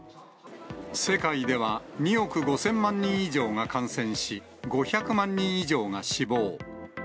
世界では２億５０００万人以上が感染し、５００万人以上が死亡。